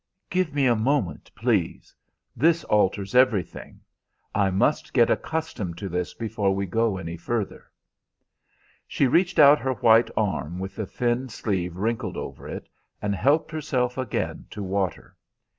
"Give me a moment, please! This alters everything. I must get accustomed to this before we go any further." She reached out her white arm with the thin sleeve wrinkled over it, and helped herself again to water.